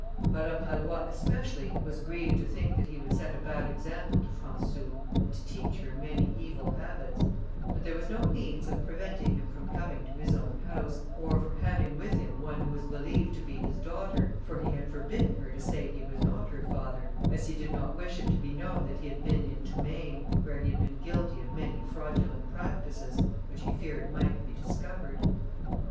Madame Pallois especially was grieved to think that he would set a bad example to Françou, and teach her many evil habits; but there was no means of preventing him from coming to his own house, or from having with him one who was believed to be his daughter, for he had forbidden her to say he was not her father, as he did not wish it to be known that he had been into Maine, where he had been guilty of many fraudulent practices, which he feared might be discovered.